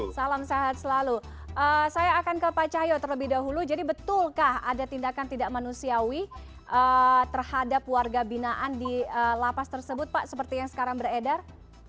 salam sehat selalu saya akan ke pak cahyo terlebih dahulu jadi betulkah ada tindakan tidak manusiawi terhadap warga binaan di lapas tersebut pak seperti yang sekarang beredar